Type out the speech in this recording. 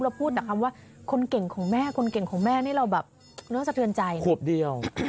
แล้วพูดแต่คำว่าคนเก่งของแม่คนเก่งของแม่นี่เราแบบเรื่องสะเทือนใจ